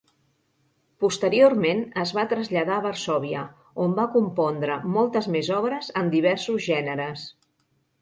Posteriorment, es va traslladar a Varsòvia on va compondre moltes més obres en diversos gèneres.